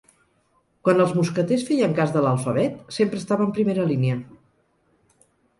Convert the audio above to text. Quan els mosqueters feien cas de l'alfabet sempre estava en primera línia.